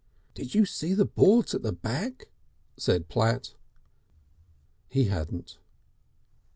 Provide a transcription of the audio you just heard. "Did you see the boards at the back?" said Platt. He hadn't.